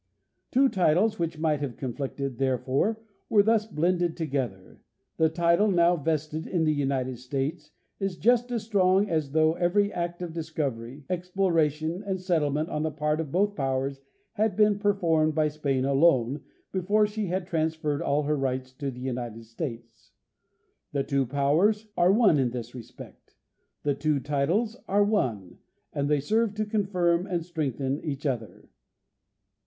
Two titles which might have conflicted, therefore, were thus blended together. The title now vested in the United States is just as strong as though every act of discovery, exploration and settlement on the part of both powers had been performed by Spain alone before she had trans ferred all her rights to the United States. The two powers are one in this respect; the two titles are one, and they serve to confirm and strengthen each other."